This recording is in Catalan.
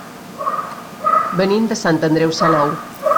Venim de Sant Andreu Salou.